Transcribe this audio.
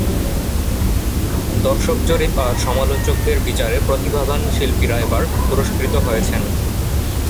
দর্শক জরিপ আর সমালোচকদের বিচারে প্রতিভাবান শিল্পীরা এবার পুরস্কৃত হয়েছেন।